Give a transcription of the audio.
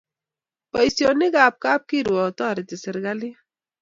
Poisionik ab kapkirwa tariti serikalit.